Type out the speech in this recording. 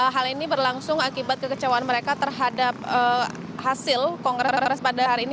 hal ini berlangsung akibat kekecewaan mereka terhadap hasil kongres pada hari ini